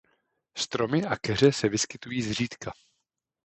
Stromy a keře se vyskytují zřídka.